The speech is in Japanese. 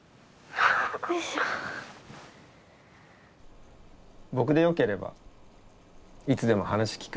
僕でよければいつでも話聞くよ。